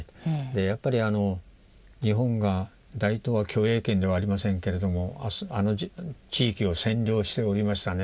やっぱり日本が大東亜共栄圏ではありませんけれどもあの地域を占領しておりましたね。